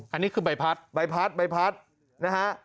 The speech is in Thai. อันนี้คือใบพัดใบพัดใบพัดนะฮะ